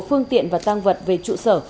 phương tiện và tang vật về trụ sở